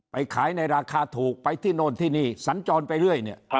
ขายในราคาถูกไปที่โน่นที่นี่สัญจรไปเรื่อยเนี่ย